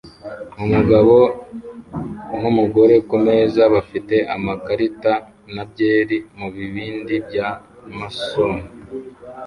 Umugabo numugore kumeza bafite amakarita na byeri mubibindi bya mason